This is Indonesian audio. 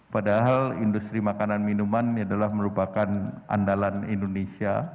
padahal industri makanan minuman adalah merupakan andalan indonesia